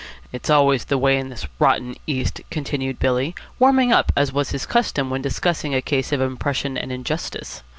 It's always the way in this rotten East," continued Billy, warming up as was his custom when discussing a case of oppression and injustice.